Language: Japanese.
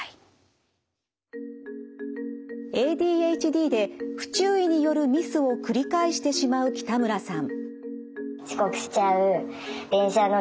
ＡＤＨＤで不注意によるミスを繰り返してしまう北村さん。